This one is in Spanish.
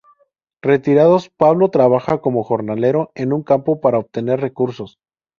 Retirados, Pablo trabajaba como jornalero en una campo para obtener recursos.